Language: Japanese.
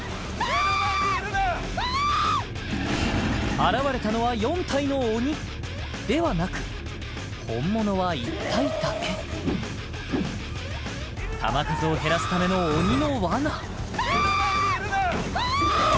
現れたのは４体の鬼ではなく本物は１体だけ弾数を減らすための鬼の罠目の前にいるぞ来たーっ怖い！